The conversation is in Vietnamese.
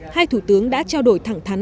hai thủ tướng đã trao đổi thẳng thắn